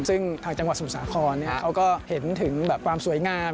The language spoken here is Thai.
ซึ่งทางจังหวัดสมุทรสาครเขาก็เห็นถึงความสวยงาม